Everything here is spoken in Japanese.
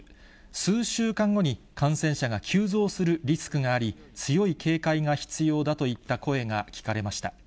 数週間後に感染者が急増するリスクがあり、強い警戒が必要だといった声が聞かれました。